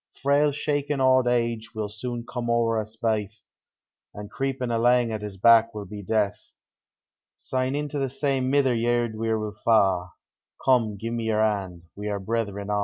Frail shakin' auld age will soon come o'er us baith, An' creeping alang at his back will be death ; Svne into the same mither vird we will fa': Come, gi'e me your hand, — we are brethren a'.